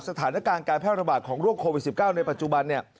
สถานการณ์การแพร่ระบาดของโรคโควิด๑๙ในปัจจุบันเนี่ย